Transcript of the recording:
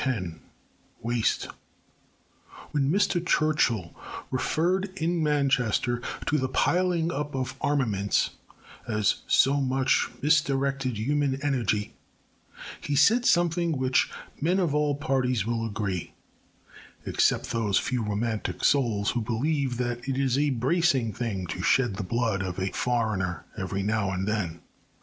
X WASTE When Mr Churchill referred in Manchester to the piling up of armaments as so much misdirected human energy, he said something with which men of all parties will agree, except those few romantic souls who believe that it is a bracing thing to shed the blood of a foreigner every now and then.